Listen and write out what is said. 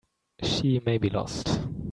She may be lost.